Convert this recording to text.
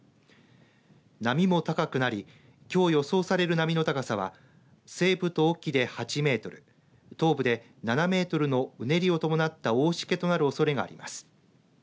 波も高くなりきょう予想される波の高さは西部と隠岐で８メートル東部で７メートルのうねりを伴った大しけとなるおそれがあります。